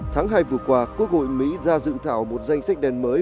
tháng hai vừa qua quốc hội mỹ ra dự thảo một danh sách đèn mới